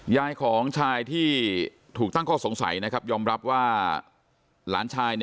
ยายของชายที่ถูกตั้งข้อสงสัยนะครับยอมรับว่าหลานชาย